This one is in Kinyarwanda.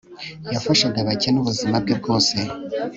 yafashaga abakene ubuzima bwe bwose